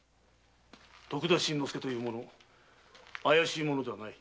⁉徳田新之助という者怪しい者ではない。